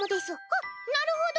あっなるほど！